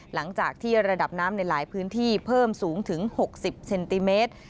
หลังจากที่ระดับน้ำในหลายพื้นที่เพิ่มสูงถึง๖๐เซนติเมตร